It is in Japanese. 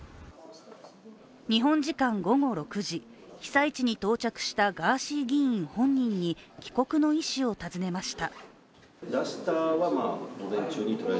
日本時間午後６時、被災地に到着したガーシー議員本人に帰国の意思を尋ねました。